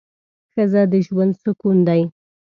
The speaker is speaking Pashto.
ښځه د ژوند سکون دی